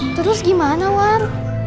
terus gimana war